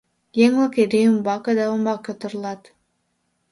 Еҥ-влак эре умбаке да умбаке торлат.